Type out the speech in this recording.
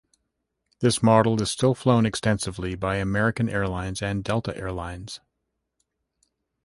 This model is still flown extensively by American Airlines and Delta Air Lines.